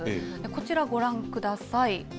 こちらご覧ください。